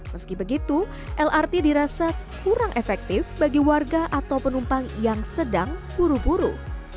meski begitu lrt dirasa kurang efektif bagi warga atau penumpang yang sedang buru buru